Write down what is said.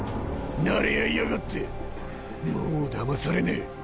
なれ合いやがってもうだまされねえ！